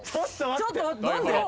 ちょっと待って何で？